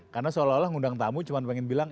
karena seolah olah ngundang tamu cuma pengen bilang